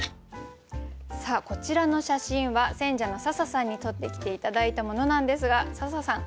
さあこちらの写真は選者の笹さんに撮ってきて頂いたものなんですが笹さん